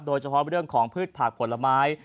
โดยเฉพาะเรื่องของพืชผักผลไม้